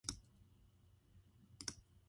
Reception of his performance was generally positive.